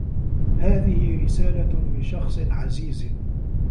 هذه رسالة من شخص عزيز.